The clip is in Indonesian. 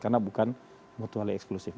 karena bukan mutualnya eksklusif